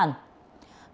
công an huyện đắk